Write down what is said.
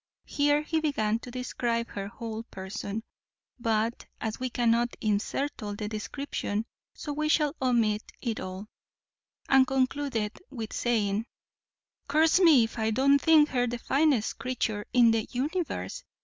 Here he began to describe her whole person; but, as we cannot insert all the description, so we shall omit it all; and concluded with saying, "Curse me if I don't think her the finest creature in the universe.